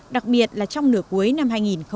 đặc biệt là trong nửa cuối năm hai nghìn một mươi sáu